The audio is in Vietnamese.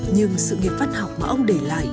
nhưng sự nghiệp văn học mà ông để lại